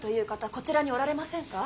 こちらにおられませんか？